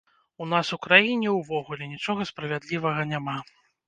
У нас у краіне ўвогуле нічога справядлівага няма.